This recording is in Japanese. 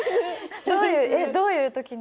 えっどういう時に？